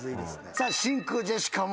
さあ真空ジェシカも。